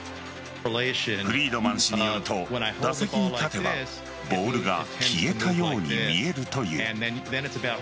フリードマン氏によると打席に立てばボールが消えたように見えるという。